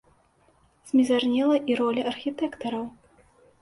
Змізарнела і роля архітэктараў.